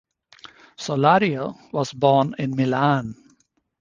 Solario was born in Milan.